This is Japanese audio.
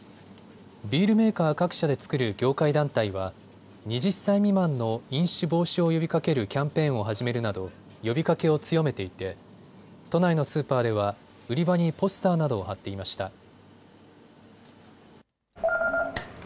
ビールメーカー各社で作る業界団体は２０歳未満の飲酒防止を呼びかけるキャンペーンを始めるなど呼びかけを強めていて都内のスーパーでは売り場にポスターなどを貼っていました。